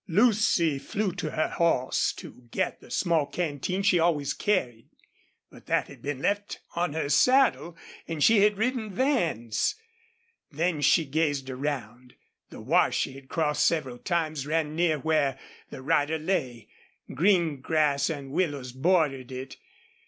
Lucy flew to her horse to get the small canteen she always carried. But that had been left on her saddle, and she had ridden Van's. Then she gazed around. The wash she had crossed several times ran near where the rider lay. Green grass and willows bordered it.